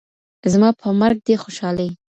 زما په مرګ دي خوشالي